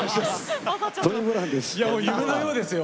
夢のようですよ。